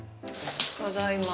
ただいま。